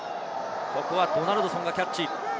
ここはドナルドソンがキャッチ。